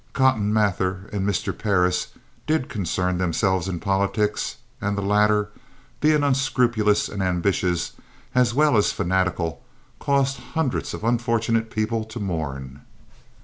Cotton Mather and Mr. Parris did concern themselves in politics, and the latter, being unscrupulous and ambitious as well as fanatical, caused hundreds of unfortunate people to mourn.